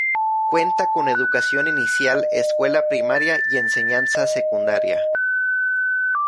Cuenta con educación inicial, escuela primaria y enseñanza secundaria.